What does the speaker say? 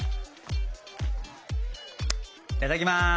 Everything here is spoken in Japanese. いただきます。